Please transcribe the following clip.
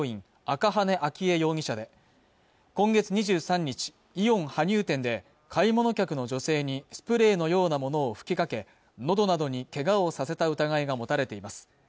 赤羽純依容疑者で今月２３日イオン羽生店で買い物客の女性にスプレーのようなものを吹きかけのどなどにけがをさせた疑いが持たれています